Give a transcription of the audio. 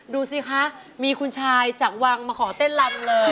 ดูสิคะมีคุณชายจากวังมาขอเต้นลำเลย